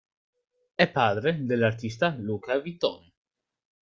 È padre dell'artista Luca Vitone.